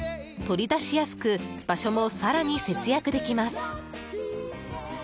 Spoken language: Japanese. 取り出しやすく場所も更に節約できます。